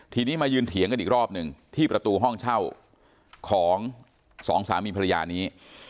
ทีนี้มายืนเถียงกันอีกรอบหนึ่งที่ประตูห้องเช่าของสองสามีภรรยานี้